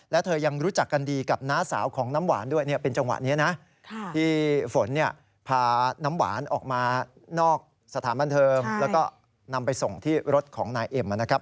และเธอยังรู้จักกันดีกับน้าสาวของน้ำหวานด้วยเนี่ยเป็นจังหวะนี้นะที่ฝนเนี่ยพาน้ำหวานออกมานอกสถานบันเทิงแล้วก็นำไปส่งที่รถของนายเอ็มนะครับ